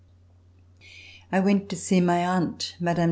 I went to see my aunt Mme.